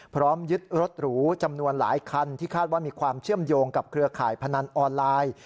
พร้อมยึดรถหรูจำนวนหลายคันที่คาดว่ามีความเชื่อมโยงกับเครือข่ายพนันออนไลน์